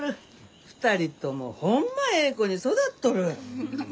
２人ともホンマええ子に育っとる。